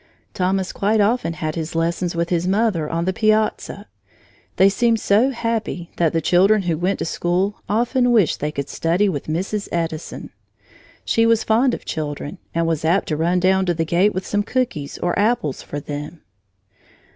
Thomas quite often had his lessons with his mother on the piazza. They seemed so happy that the children who went to school often wished they could study with Mrs. Edison. She was fond of children and was apt to run down to the gate with some cookies or apples for them.